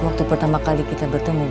waktu pertama kali kita bertemu